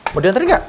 mau diantre gak